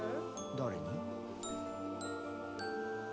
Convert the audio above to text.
誰に？